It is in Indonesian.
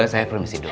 saya permisi dulu